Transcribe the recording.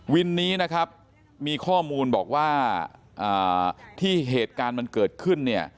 วินนี้นะครับมีข้อมูลบอกว่าที่เหตุการณ์มันเกิดขึ้นเนี่ย